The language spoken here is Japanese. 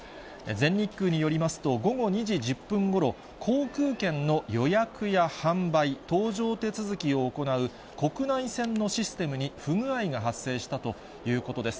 全日空によりますと、午後２時１０分ごろ、航空券の予約や販売、搭乗手続きを行う国内線のシステムに不具合が発生したということです。